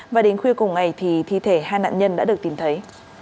và đến khuya cùng ngày thì thi thể hai nạn nhân đã được tìm thấy